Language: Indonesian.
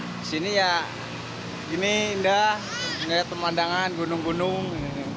di sini ya gini indah melihat pemandangan gunung gunung